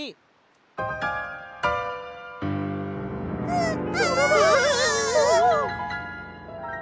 うわ。